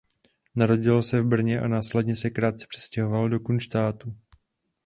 Narodil se v Brně a následně se krátce přestěhoval do Kunštátu.